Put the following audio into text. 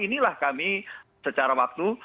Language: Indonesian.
inilah kami secara waktu